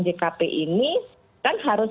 jkp ini kan harus